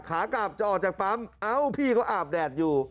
ขากลับจะออกจากปั๊มเอ้าพี่เขาอาบแดดอยู่